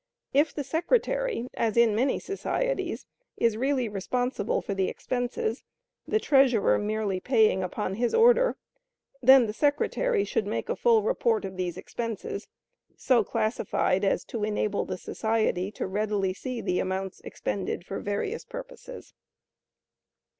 If the secretary, as in many societies, is really responsible for the expenses, the treasurer merely paying upon his order, then the secretary should make a full report of these expenses, so classified as to enable the society to readily see the amounts expended for various purposes.